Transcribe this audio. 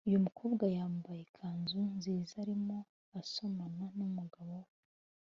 uyu mukobwa yambaye ikanzu nziza arimo asomana n’umugabo we